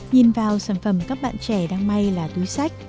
nhìn vào sản phẩm các bạn trẻ đang may là túi sách